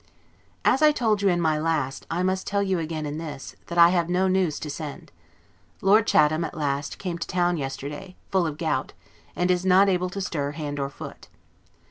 As I told you in my last, I must tell you again in this, that I have no news to send. Lord Chatham, at last, came to town yesterday, full of gout, and is not able to stir hand or foot.